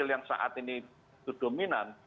yang saat ini itu dominan